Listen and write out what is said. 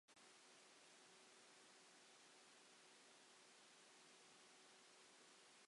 Roedd y pridd wedi'i droi.